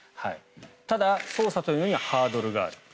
ただ、捜査というのはハードルがある。